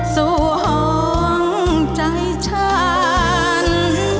สวองใจฉ่าน